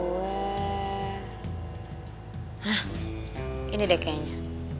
hah ini deh kayaknya